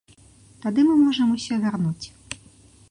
Тады мы можам усё вярнуць.